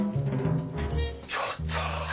ちょっと。